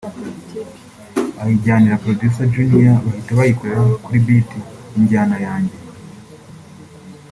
ayijyanira producer Junior bahita bayikorera kuri beat (injyana) yanjye